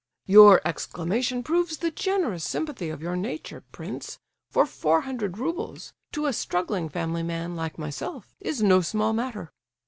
"Your exclamation proves the generous sympathy of your nature, prince; for four hundred roubles—to a struggling family man like myself—is no small matter!"